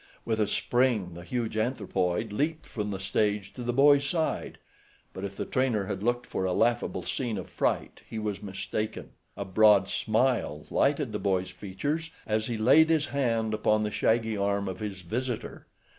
With a spring the huge anthropoid leaped from the stage to the boy's side; but if the trainer had looked for a laughable scene of fright he was mistaken. A broad smile lighted the boy's features as he laid his hand upon the shaggy arm of his visitor.